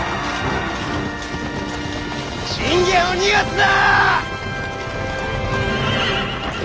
信玄を逃がすな！